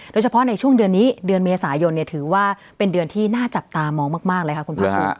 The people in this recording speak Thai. โดยเฉพาะในช่วงเดือนนี้เดือนเมษายนถือว่าเป็นเดือนที่น่าจับตามองมากเลยค่ะคุณภาคภูมิ